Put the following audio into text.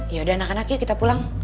yaudah anak anak yuk kita pulang